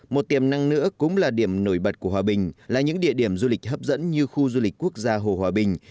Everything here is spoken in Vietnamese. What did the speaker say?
một tiềm năng nữa cũng là điểm nổi bật của hòa bình là những địa điểm du lịch hấp dẫn như khu du lịch quốc gia hồ hòa bình